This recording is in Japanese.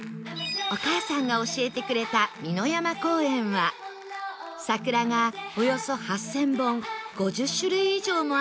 お母さんが教えてくれた美の山公園は桜がおよそ８０００本５０種類以上もある桜の名所